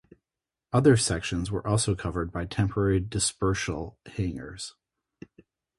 Other sections were also covered by temporary dispersal hangars.